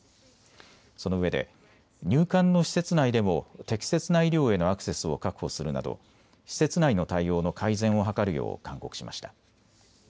そのうえで入管の施設内でも適切な医療へのアクセスを確保するなど施設内の対応の改善を図るよう勧告しました。